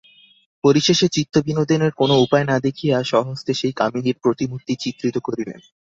পরিশেষে চিত্তবিনোদনের কোন উপায় না দেখিয়া স্বহস্তে সেই কামিনীর প্রতিমূর্তি চিত্রিত করিলেন।